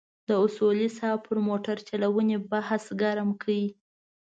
د اصولي صیب پر موټرچلونې بحث ګرم کړ.